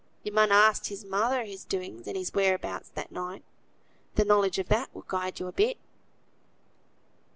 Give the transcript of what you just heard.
"You mun ask his mother his doings, and his whereabouts that night; the knowledge of that will guide you a bit."